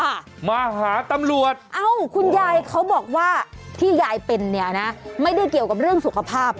มาหาตำรวจเอ้าคุณยายเขาบอกว่าที่ยายเป็นเนี่ยนะไม่ได้เกี่ยวกับเรื่องสุขภาพ